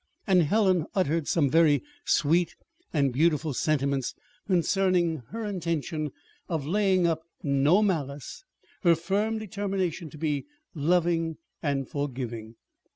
And Helen uttered some very sweet and beautiful sentiments concerning her intention of laying up no malice, her firm determination to be loving and forgiving.